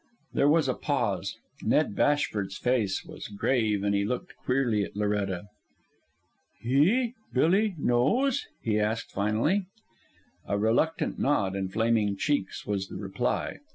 There was a pause. Ned Bashford's face was grave, and he looked queerly at Loretta. "He Billy knows?" he asked finally. A reluctant nod and flaming cheeks was the reply.